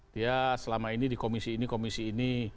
dia selama ini di komisi ini komisi ini